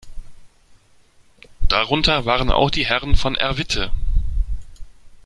Darunter waren auch die Herren von Erwitte.